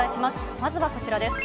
まずはこちらです。